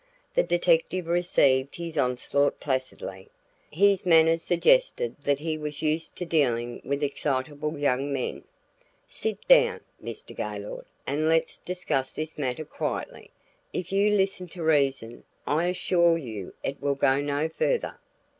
The detective received his onslaught placidly; his manner suggested that he was used to dealing with excitable young men. "Sit down, Mr. Gaylord, and let's discuss this matter quietly. If you listen to reason, I assure you it will go no further."